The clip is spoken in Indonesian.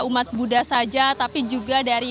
umat buddha saja tapi juga dari